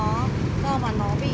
do mà nó bị mất mảnh máu nhiều lắm rồi